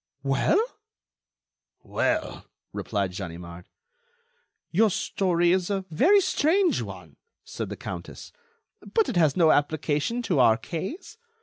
"Well?" "Well?" replied Ganimard. "Your story is a very strange one," said the countess, "but it has no application to our case.